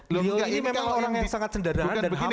beliau ini memang orang yang sangat senderan dan humble